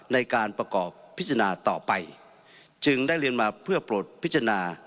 ในการประกอบพิจารณาต่อไปจึงได้เรียนมาเพื่อโปรดพิจารณา